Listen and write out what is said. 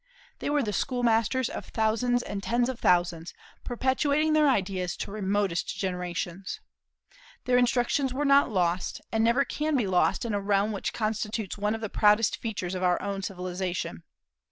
They were the school masters of thousands and tens of thousands, perpetuating their ideas to remotest generations. Their instructions were not lost, and never can be lost in a realm which constitutes one of the proudest features of our own civilization.